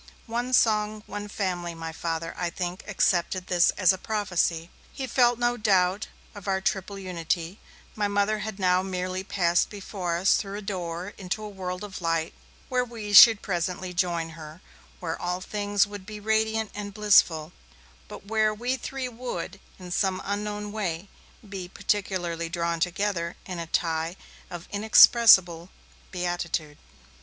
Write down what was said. One song! one family!' My Father, I think, accepted this as a prophecy, he felt no doubt of our triple unity; my Mother had now merely passed before us, through a door, into a world of light, where we should presently join her, where all things would be radiant and blissful, but where we three would, in some unknown way, be particularly drawn together in a tie of inexpressible beatitude.